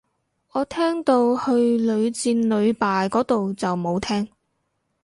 我聽到去屢敗屢戰個到就冇聽